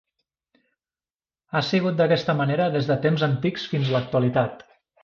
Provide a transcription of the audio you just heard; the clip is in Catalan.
Ha sigut d'aquesta manera des de temps antics fins a l'actualitat.